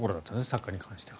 サッカーに関しては。